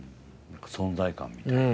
存在感みたいな。